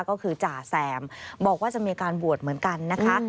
ก็คือจ่าแซมบอกว่าจะมีการบวชเหมือนกันนะคะ